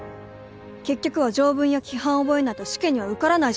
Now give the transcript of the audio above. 結局は条文や規範を覚えないと試験には受からないじゃないですか。